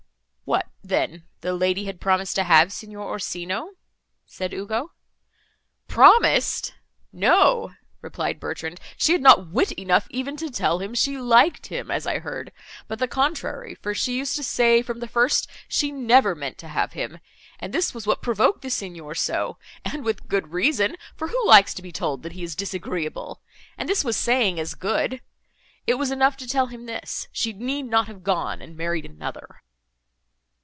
"What then, the lady had promised to have Signor Orsino?" said Ugo. "Promised! No," replied Bertrand, "she had not wit enough even to tell him she liked him, as I heard, but the contrary, for she used to say, from the first, she never meant to have him. And this was what provoked the Signor, so, and with good reason, for, who likes to be told that he is disagreeable? and this was saying as good. It was enough to tell him this; she need not have gone, and married another."